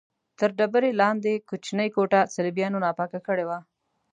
تر ډبرې لاندې کوچنۍ کوټه صلیبیانو ناپاکه کړې وه.